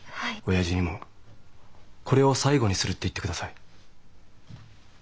親父にも「これを最後にする」って言ってください。